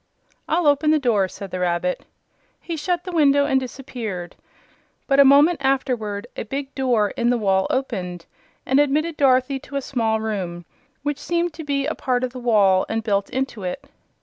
"I'll open the door," said the rabbit. He shut the window and disappeared, but a moment afterward a big door in the wall opened and admitted Dorothy to a small room, which seemed to be a part of the wall and built into it.